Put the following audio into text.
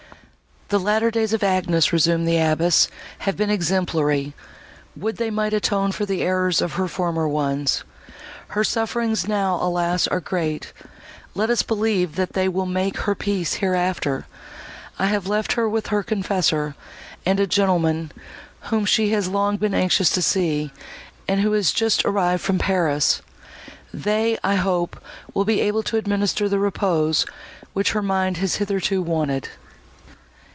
"The latter days of Agnes," resumed the abbess, "have been exemplary; would they might atone for the errors of her former ones! Her sufferings now, alas! are great; let us believe, that they will make her peace hereafter! I have left her with her confessor, and a gentleman, whom she has long been anxious to see, and who is just arrived from Paris. They, I hope, will be able to administer the repose, which her mind has hitherto wanted."